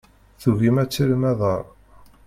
Tugim ad terrem aḍar.